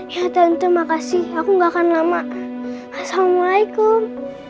ya tante makasih aku gak akan lama assalamualaikum